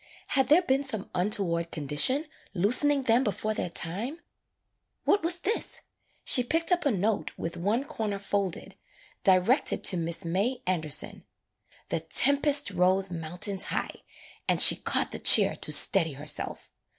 Had there been some untoward condition loosening them before their time ? What was this — she picked [ 21 ] AN EASTER LILY up a note with one corner folded, directed to Miss May Anderson. The tempest rose mountains high and she caught the chair to steady herself.